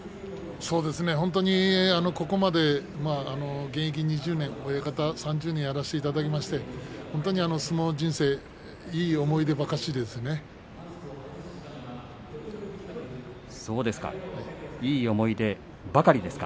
本当にここまで現役２０年、親方３０年やらせていただきまして本当に相撲人生、いい思い出ばかりですね。